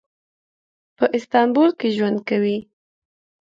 په استانبول کې ژوند کوي.